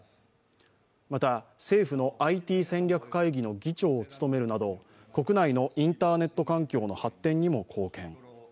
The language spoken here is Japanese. また、政府のＩＴ戦略会議の議長を務めるなど国内のインターネット環境の発展にも貢献。